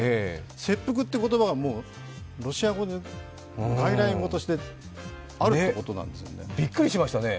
切腹という言葉がロシア語で外来語としてあるということです。